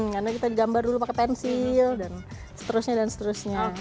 karena kita digambar dulu pakai pensil dan seterusnya dan seterusnya